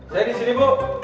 saya disini bu